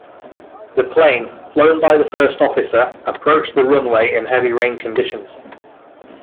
The plane, flown by the first officer, approached the runway in heavy rain conditions.